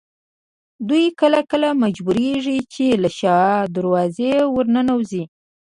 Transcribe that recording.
دوی کله کله مجبورېږي چې له شا دروازې ورننوځي.